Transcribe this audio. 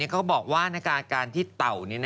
ก็บอกว่าในการที่เตา